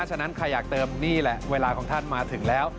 ฉะนั้นใครอยากเติมนี่แหละเวลาของท่านมาถึงแล้ว